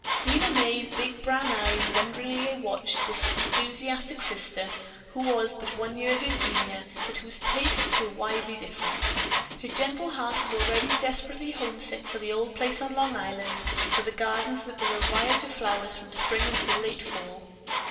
Lena May's big brown eyes wonderingly watched this enthusiastic sister, who was but one year her senior, but whose tastes were widely different. Her gentle heart was already desperately homesick for the old place on Long Island, for the gardens that were a riot of flowers from spring until late fall.